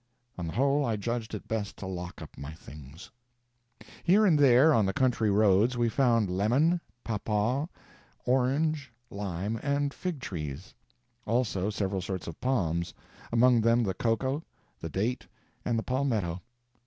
On the whole, I judged it best to lock up my things. Here and there on the country roads we found lemon, papaw, orange, lime, and fig trees; also several sorts of palms, among them the cocoa, the date, and the palmetto.